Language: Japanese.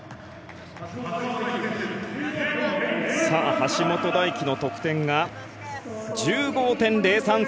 橋本大輝の得点が１５．０３３。